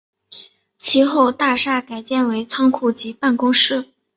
其后大厦改建为仓库及办公室。